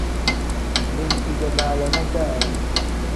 Banci ge banlanaa gaari.